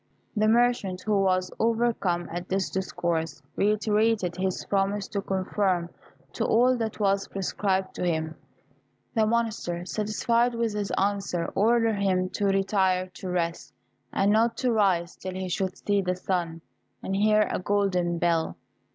The merchant, who was overcome at this discourse, reiterated his promise to conform to all that was prescribed to him. The Monster, satisfied with his answer, ordered him to retire to rest, and not to rise till he should see the sun, and hear a golden bell.